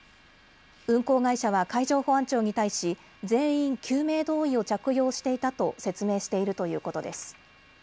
運航会社は海上保安庁に対し全員、救命胴衣を着用していたと説明しているということです。